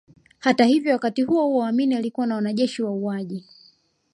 Hata hivyo wakati huo huo Amin alikuwa na wajeshi wauaji